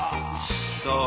そう。